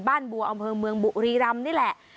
บัวอำเภอเมืองบุรีรำนี่แหละ